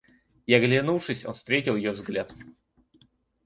И, оглянувшись, он встретил ее взгляд.